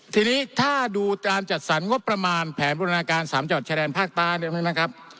ทีนี้ถ้าดูการจัดสรรงบประมาณแผนบุฒนาการ๓จิตเฉดแดนภาคใต้สิ่งนี้ได้มั้ยครับ